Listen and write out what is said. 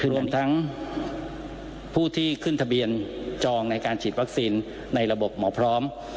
รวมทั้งผู้ที่ขึ้นทะเบียนจองในการฉีดวัคซีนในระบบหมอพร้อม